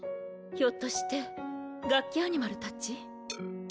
ひょっとしてガッキアニマルたち？